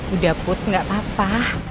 udah put gak apa apa